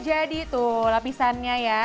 jadi tuh lapisannya